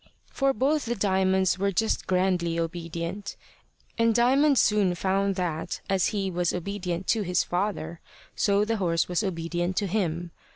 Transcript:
For both the Diamonds were just grandly obedient. And Diamond soon found that, as he was obedient to his father, so the horse was obedient to him.